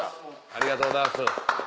ありがとうございます。